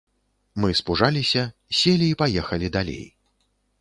Мы спужаліся, селі і паехалі далей.